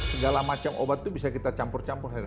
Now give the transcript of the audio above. segala macam obat itu bisa kita campur campur